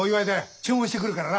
注文してくるからな。